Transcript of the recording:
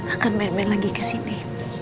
akan main main lagi kesini